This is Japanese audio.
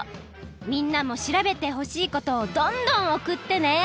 みんなも調べてほしいことをどんどんおくってね！